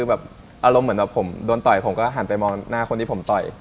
แบบอารมณ์เหมือนแบบผมโดนต่อยผมก็หันไปมองหน้าคนที่ผมต่อย